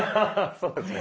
そうですね。